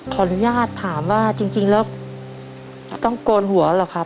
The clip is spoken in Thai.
ขออนุญาตถามว่าจริงแล้วต้องโกนหัวเหรอครับ